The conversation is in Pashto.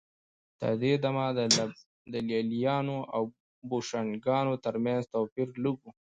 تر دې دمه د لېلیانو او بوشنګانو ترمنځ توپیر لږ و